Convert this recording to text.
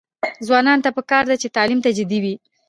ځوانانو ته پکار ده چې، تعلیم ته جدي وي.